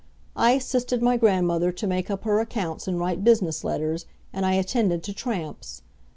I assisted my grandmother to make up her accounts and write business letters, and I attended to tramps.